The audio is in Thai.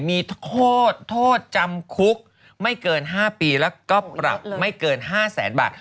มีโทษโทษจำคุกไม่เกิน๕ปีแล้วก็ปรับไม่เกิน๕แสนบาท